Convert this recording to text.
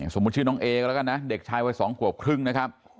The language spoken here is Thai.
ชื่อน้องเอก็แล้วกันนะเด็กชายวัย๒ขวบครึ่งนะครับ